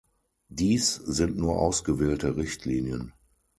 Dies sind nur ausgewählte Richtlinien.